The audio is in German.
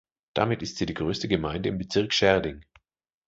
Damit ist sie die größte Gemeinde im Bezirk Schärding.